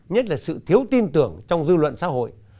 nhất là sự thiếu tin tưởng trong dư luận xã hội